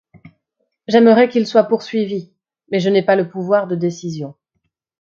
J'aimerais qu'il soit poursuivi, mais je n'ai pas le pouvoir de décision.